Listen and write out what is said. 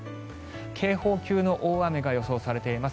警報級の大雨が予想されています。